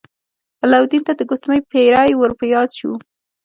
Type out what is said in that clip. علاوالدین ته د ګوتمۍ پیری ور په یاد شو.